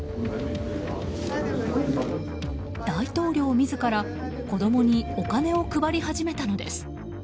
大統領自ら子供にお金を配り始めたのです。